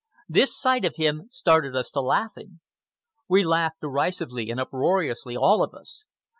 This sight of him started us to laughing. We laughed derisively and uproariously, all of us.